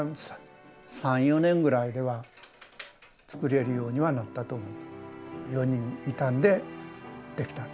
３４年ぐらいではつくれるようにはなったと思います。